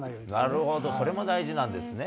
なるほど、それも大事なんですね。